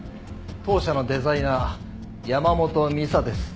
当社のデザイナー山本ミサです。